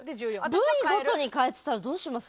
部位ごとに替えてたらどうします？